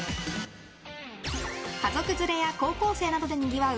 家族連れや高校生などでにぎわう